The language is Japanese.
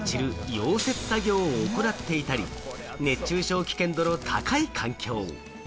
溶接作業を行っていたり、熱中症危険度の高い環境。